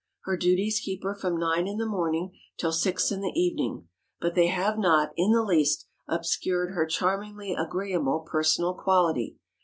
Her duties keep her from nine in the morning till six in the evening, but they have not, in the least, obscured her charmingly agreeable personal quality.